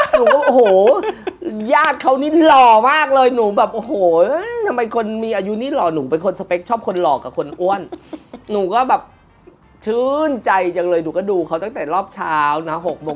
หนูก็รู้แล้วว่าคนนี้เป็นคนเซ็นเช็ค